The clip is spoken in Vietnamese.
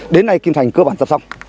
đến nay kim thành cơ bản dập xong